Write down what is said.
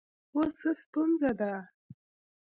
اوس څه ستونزه ده